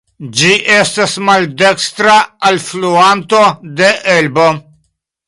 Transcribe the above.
Ĝi estas maldekstra alfluanto de Elbo.